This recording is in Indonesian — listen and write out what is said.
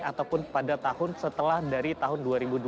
ataupun pada tahun setelah dari tahun dua ribu dua puluh